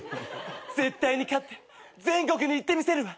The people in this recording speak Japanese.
絶対に勝って全国に行ってみせるわ。